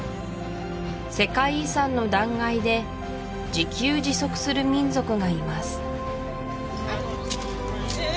世界遺産の断崖で自給自足する民族がいます